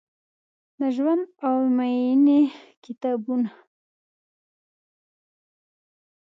د ژوند او میینې کتابونه ،